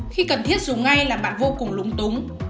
khi cần thiết dù ngay là bạn vô cùng lúng túng